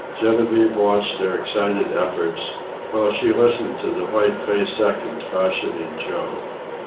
Genevieve watched their excited efforts, while she listened to the white faced second cautioning Joe.